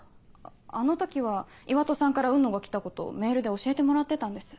あの時は岩戸さんから雲野が来たことをメールで教えてもらってたんです。